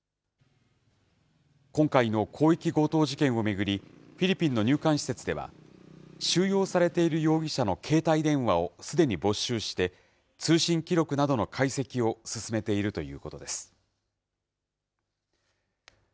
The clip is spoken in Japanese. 今回の広域強盗事件を巡り、フィリピンの入管施設では、収容されている容疑者の携帯電話をすでに没収して、通信記録などの解析を進めているということです。